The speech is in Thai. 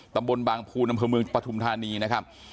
ตำบลบางภูนอำเภอเมืองปฐุมธานีนะครับ